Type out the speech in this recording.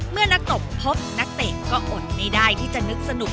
เมื่อนักตบพบนักเตะก็อดไม่ได้ที่จะนึกสนุก